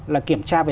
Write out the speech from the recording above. là kiểm tra về